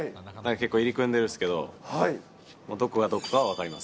結構入り組んでるんですけど、どこがどこかは分かります。